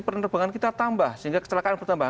penerbangan kita tambah sehingga kecelakaan bertambah